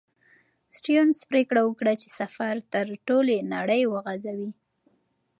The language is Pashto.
سټيونز پرېکړه وکړه چې سفر تر ټولې نړۍ وغځوي.